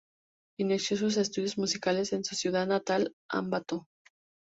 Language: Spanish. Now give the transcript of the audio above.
Inició sus estudios musicales en su ciudad natal, Ambato.